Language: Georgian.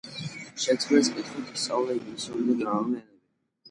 შექსპირის კითხვით ისწავლა ინგლისური და გერმანული ენები.